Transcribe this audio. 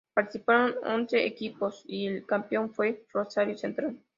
Participaron once equipos y el campeón fue Rosario Central.